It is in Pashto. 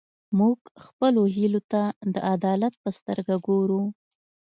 موږ خپلو هیلو ته د عدالت په سترګه ګورو.